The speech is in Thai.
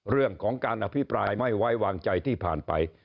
เรื่องของการอภิปรายไม่ไว้วางใจที่ผ่านไป